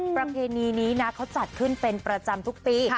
ประเพณีนี้นะเขาจัดขึ้นเป็นประจำทุกปี